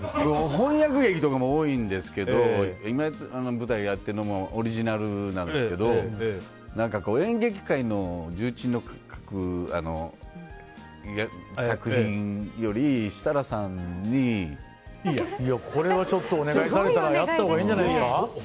翻訳劇とかも多いんですけど舞台やってるのもオリジナルなんですけど演劇界の重鎮の書く作品よりこれはちょっとお願いされたらやったほうがいいんじゃないですか。